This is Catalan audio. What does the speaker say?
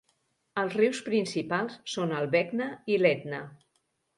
Els rius principals són el Begna i l'Etna.